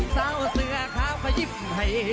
ซักเซือขาวพยิบไฮ